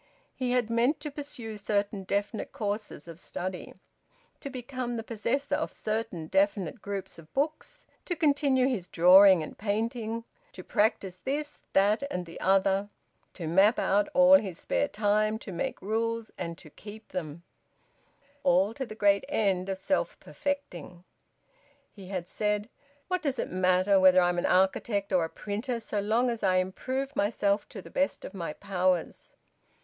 He had meant to pursue certain definite courses of study, to become the possessor of certain definite groups of books, to continue his drawing and painting, to practise this, that and the other, to map out all his spare time, to make rules and to keep them, all to the great end of self perfecting. He had said: "What does it matter whether I am an architect or a printer, so long as I improve myself to the best of my powers?"